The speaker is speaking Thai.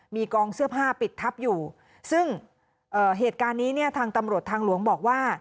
มีกองเสื้อผ้าปิดทับอยู่ซึ่งเหตุการณ์นี้เนี่ยทางตำรวจทางหลวงบอกว่า